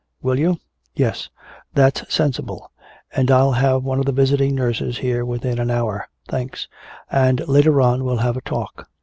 Will you?" "Yes." "That's sensible. And I'll have one of the visiting nurses here within an hour." "Thanks." "And later on we'll have a talk."